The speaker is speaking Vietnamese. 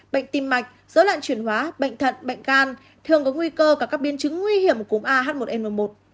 bệnh tim mạch dấu loạn chuyển hóa bệnh thận bệnh can thường có nguy cơ các biên chứng nguy hiểm của cúm ah một n một